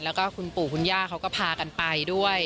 แล้วก็คุณปู่คุณย่าเขาก็พากันไปด้วย